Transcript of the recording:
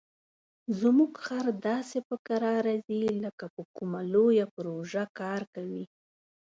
زموږ خر داسې په کراره ځي لکه په کومه لویه پروژه کار کوي.